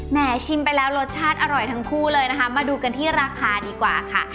ชิมไปแล้วรสชาติอร่อยทั้งคู่เลยนะคะมาดูกันที่ราคาดีกว่าค่ะ